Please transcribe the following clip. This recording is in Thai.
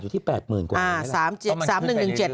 หายอยู่ที่๘๐๐๐๐กว่านี้แล้ว